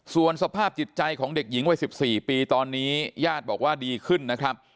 ส่วนสภาพจิตใจของเด็กหญิงวัย๑๔ปีตอนนี้ญาติบอกว่าดีขึ้นนะครับ